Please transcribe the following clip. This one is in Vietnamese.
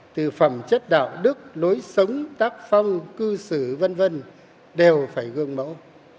từ phẩm chất đạo đức lối sống tác phong cư xử v v đều phải gương mẫu